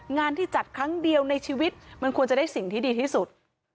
งานที่จัดครั้งเดียวในชีวิตมันควรจะได้สิ่งที่ดีที่สุด